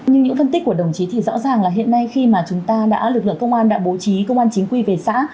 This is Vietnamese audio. những phân tích của đồng chí thì rõ ràng là hiện nay khi lực lượng công an đã bố trí công an chính quy về xã